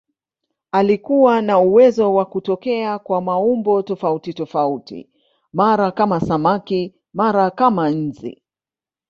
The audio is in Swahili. Alikuwa na uwezo wa kutokea kwa maumbo tofautitofauti, mara kama samaki, mara kama nzi.